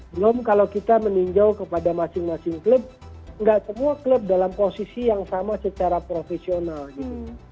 belum kalau kita meninjau kepada masing masing klub nggak semua klub dalam posisi yang sama secara profesional gitu